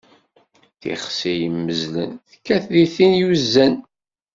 Tixsi yimmezlen, tekkat di tin uzan.